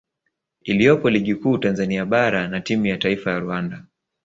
iliyopo Ligi Kuu Tanzania Bara na timu ya taifa ya Rwanda